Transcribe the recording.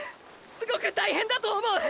すごく大変だと思う！！